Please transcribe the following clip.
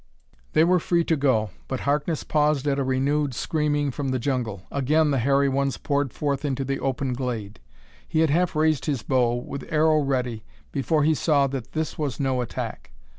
They were free to go, but Harkness paused at a renewed screaming from the jungle. Again the hairy ones poured forth into the open glade. He had half raised his bow, with arrow ready, before he saw that this was no attack.